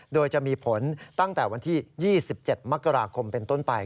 โดยจะมีผลตั้งแต่วันที่๒๗มกราคมเป็นต้นไป